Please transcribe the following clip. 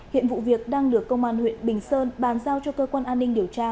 hiện vụ việc đang được công an huyện bình sơn bàn giao cho cơ quan an ninh điều tra